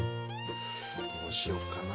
どうしようかな。